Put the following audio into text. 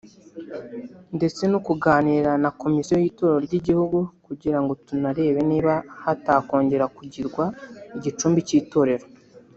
ndetse no kuganira na Komisiyo y’itorero ry’igihugu kugira ngo tunarebe niba hatakongera kugirwa igicumbi cy’itorero